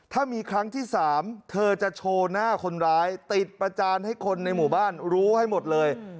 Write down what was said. ถ้ามีครั้งที่๓เธอจะโชว์หน้าคนร้ายติดประจานให้คนในหมู่บ้านรู้ให้หมดเลย